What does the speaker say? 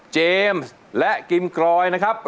เจมส์และกิมกลอยนะครับ